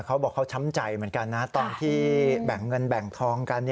เขาบอกเขาช้ำใจเหมือนกันนะตอนที่แบ่งเงินแบ่งทองกัน